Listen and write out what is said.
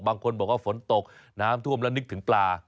บางคนบอกว่าฝนตกน้ำท่วมแล้วนึกถึงปลา